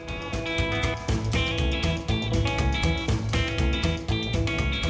คอโด